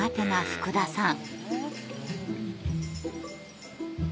福田さん